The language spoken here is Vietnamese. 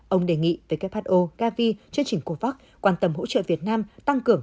ông đề nghị who gavi chương trình covax quan tâm hỗ trợ việt nam tăng cường